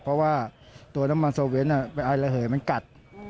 เพราะว่าตัวน้ำมันโซเว้นไปอายเหลือเหยมันกัด